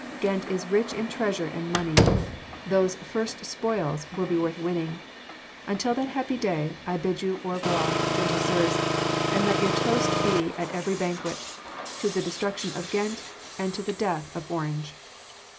Ghent is rich in treasure and money ... those first spoils will be worth the winning. Until that happy day, I bid you au revoir, gentle Sirs, and let your toast be at every banquet: ’To the destruction of Ghent, and to the death of Orange!